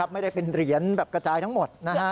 ไม่ได้เป็นเหรียญแบบกระจายทั้งหมด